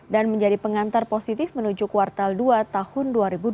dan menjadi pengantar positif menuju kuartal dua tahun dua ribu dua puluh tiga